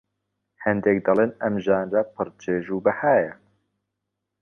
هەندێک دەڵێن ئەم ژانرە پڕ چێژ و بەهایە